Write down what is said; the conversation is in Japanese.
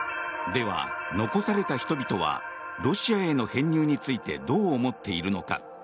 では、残された人々はロシアへの編入についてどう思っているのか。